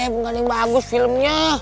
bukan yang bagus filmnya